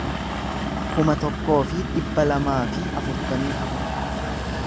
kuma tokkoo fi dhibba lamaa fi afurtamii afur